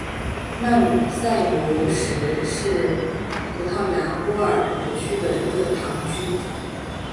曼塞卢什是葡萄牙波尔图区的一个堂区。